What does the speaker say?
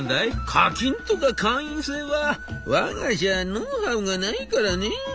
「課金とか会員制はわが社はノウハウがないからね」。